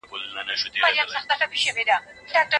امیر دوست محمد خان ډیر پیاوړی و.